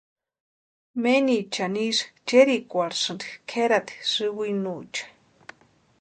Menichani ísï cherhikwaesinti kʼerati sïwinuecha.